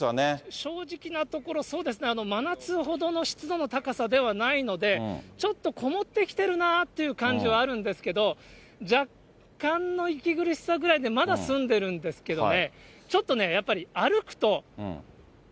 正直なところ、そうですね、真夏ほどの湿度の高さではないので、ちょっと籠ってきているなという感じはあるんですけど、若干の息苦しさぐらいでまだ済んでいるんですけどね。